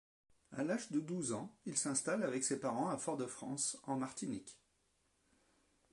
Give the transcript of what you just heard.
À l’âge de douze ans, il s'installe avec ses parents à Fort-de-France, en Martinique.